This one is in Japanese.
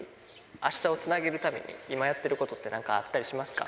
あしたをつなげるためにいまやっていることってなんかあったりしますか？